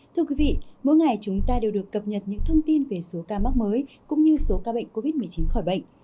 thưa quý vị mỗi ngày chúng ta đều được cập nhật những thông tin về số ca mắc mới cũng như số ca bệnh covid một mươi chín khỏi bệnh